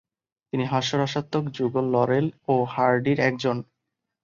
তিনি হাস্যরসাত্মক যুগল লরেল ও হার্ডির একজন।